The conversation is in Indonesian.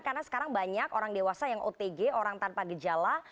karena sekarang banyak orang dewasa yang otg orang tanpa gejala